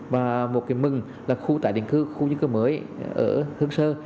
và một cái mừng là khu tại định khu khu nhân cơ mới ở hương sơn